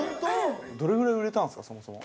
◆どれぐらい売れたんですかそもそも。